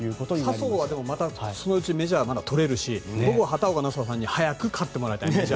笹生はそのうちメジャーならまた取れるし僕は畑岡奈紗さんに早くメジャー勝ってもらいたい。